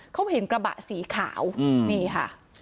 เขาเห็นกระบะสีขาวนี่ค่ะ